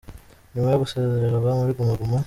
Nyuma yo gusezererwa muri Guma Guma.